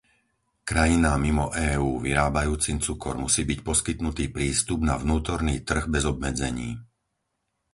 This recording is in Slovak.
Krajinám mimo EÚ vyrábajúcim cukor musí byť poskytnutý prístup na vnútorný trh bez obmedzení.